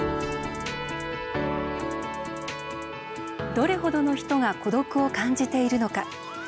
どれほどの人が孤独を感じているのか。